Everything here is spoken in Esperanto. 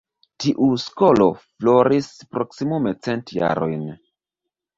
Tiu skolo floris proksimume cent jarojn.